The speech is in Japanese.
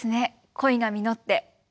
恋が実って。